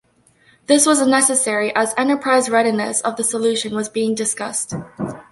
This was necessary as enterprise readiness of the solution was being discussed.